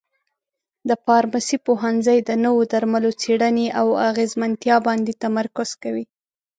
د فارمسي پوهنځی د نوو درملو څېړنې او اغیزمنتیا باندې تمرکز کوي.